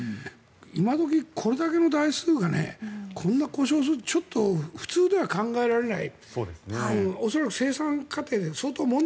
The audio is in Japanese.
今時これだけの台数がこんなに故障するってちょっと普通では考えられない。